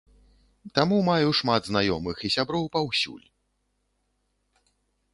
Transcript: Таму маю шмат знаёмых і сяброў паўсюль.